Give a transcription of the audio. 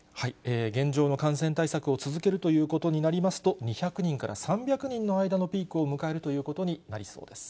現状の感染対策を続けるということになりますと、２００人から３００人の間のピークを迎えるということになりそうです。